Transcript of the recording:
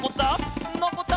のこった！